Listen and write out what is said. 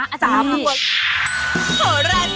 อาจารย์คทาชิน้ำประชร